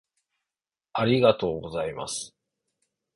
ありがとうございます。